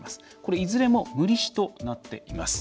いずれも、無利子となっています。